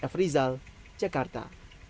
f rizal jakarta